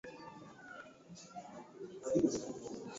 na Kumyks Dagestan Karakalpaks wana jamhuri yao